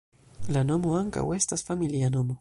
La nomo ankaŭ estas familia nomo.